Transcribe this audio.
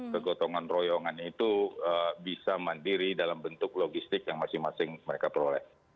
kegotongan royongan itu bisa mandiri dalam bentuk logistik yang masing masing mereka peroleh